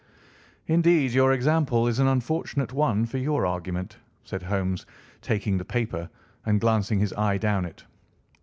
"Indeed, your example is an unfortunate one for your argument," said Holmes, taking the paper and glancing his eye down it.